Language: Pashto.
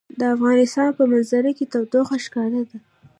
د افغانستان په منظره کې تودوخه ښکاره ده.